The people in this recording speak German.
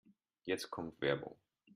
Jetzt kommt Werbung.